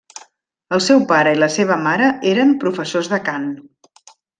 El seu pare i la seva mare eren professors de cant.